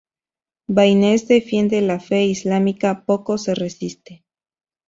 Baines defiende la fe islámica; Poco se resiste.